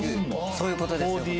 そういうことです。